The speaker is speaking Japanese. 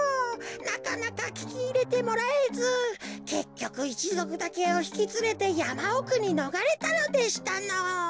なかなかききいれてもらえずけっきょくいちぞくだけをひきつれてやまおくにのがれたのでしたのぉ。